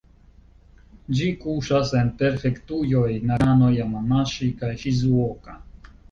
Ĝi kuŝas en prefektujoj Nagano, Jamanaŝi kaj Ŝizuoka.